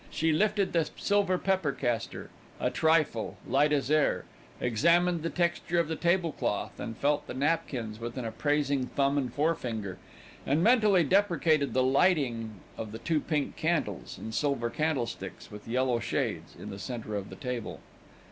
She lifted the silver pepper castor, a trifle, light as air, examined the texture of the tablecloth and felt the napkins with an appraising thumb and forefinger, and mentally deprecated the lighting of the two pink candles, in silver candlesticks with yellow shades, in the centre of the table.